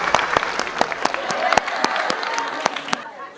เพลงที่๒มาเลยครับ